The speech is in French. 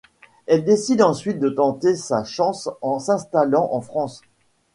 Elle décide ensuite de tenter sa chance en s'installant en France.